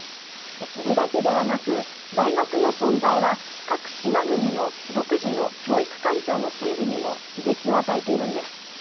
それだけではなく大学の存在は、各島国の独自の教育環境の整備にも刺激を与えているんです。